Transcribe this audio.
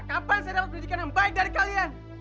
kapan saya dapat pendidikan yang baik dari kalian